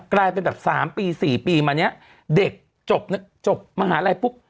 กลายเป็นแบบ๓ปี๔ปีมาเนี่ยเด็กจบมหาลัยปุ๊บ